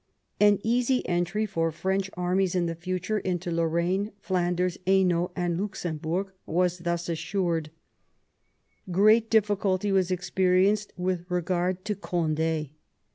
An easy entry for French armies in the future into Lorraine, Flanders, Hainault, and Luxemburg was thus assured. Great difficulty was experienced with regard to Cond^.